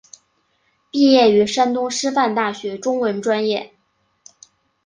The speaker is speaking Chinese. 毕业于山东师范大学中文专业。